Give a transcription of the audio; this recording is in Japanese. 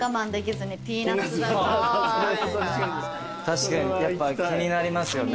確かに気になりますよね。